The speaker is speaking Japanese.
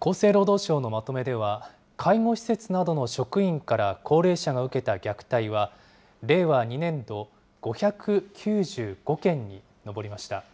厚生労働省のまとめでは、介護施設などの職員から高齢者が受けた虐待は、令和２年度、５９５件に上りました。